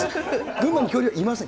群馬には恐竜いません。